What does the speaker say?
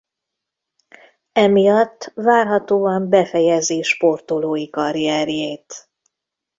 Emiatt várhatóan befejezi sportolói karrierjét.